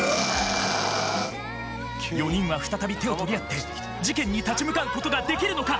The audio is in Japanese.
４人は再び手を取り合って事件に立ち向かうことができるのか。